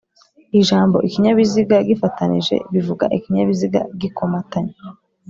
Ijambo ikinyabiziga gifatanije bivuga ikinyabiziga gikomatanye